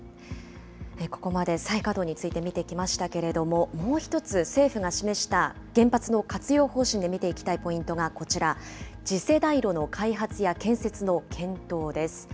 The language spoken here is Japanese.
ここまで再稼働について見てきましたけれども、もう一つ、政府が示した原発の活用方針で見ていきたいポイントがこちら、次世代炉の開発や建設の検討です。